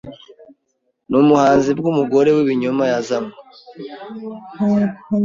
nubuhanzi bwumugore wibinyoma yazanwe